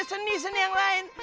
seni seni yang lain